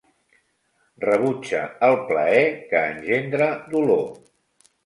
Rebutja el plaer que engendra dolor.